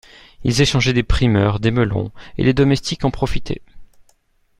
Ils échangeaient des primeurs… des melons… et les domestiques en profitaient.